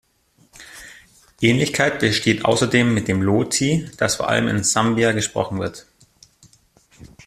Ähnlichkeit besteht außerdem mit dem Lozi, das vor allem in Sambia gesprochen wird.